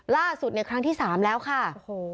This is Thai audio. ล่าสุดครั้งที่๓แล้วค่ะ